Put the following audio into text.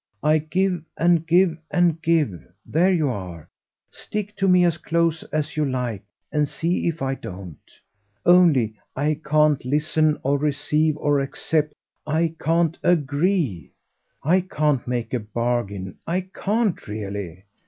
"I give and give and give there you are; stick to me as close as you like and see if I don't. Only I can't listen or receive or accept I can't AGREE. I can't make a bargain. I can't really.